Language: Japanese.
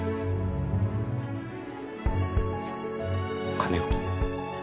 金を。